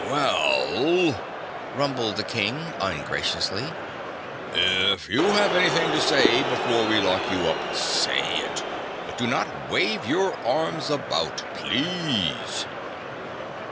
"Well," rumbled the King ungraciously, "if you have anything to say before we lock you up, SAY IT, but do not wave your arms about, PLEASE."